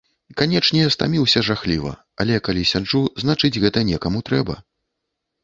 Канечне, стаміўся жахліва, але, калі сяджу, значыць, гэта некаму трэба.